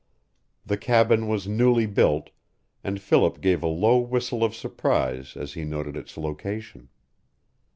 The cabin was newly built, and Philip gave a low whistle of surprise as he noted its location.